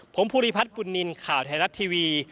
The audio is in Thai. ผมภูริพัฒน์บุญนินทร์ข่าวไทยรัฐทีวี